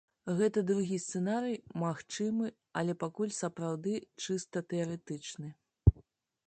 Гэта другі сцэнарый, магчымы, але пакуль сапраўды чыста тэарэтычны.